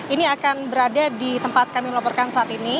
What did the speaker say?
ini akan berada di tempat kami melaporkan saat ini